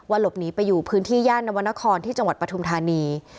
หลบหนีไปอยู่พื้นที่ย่านนวรรณครที่จังหวัดปฐุมธานี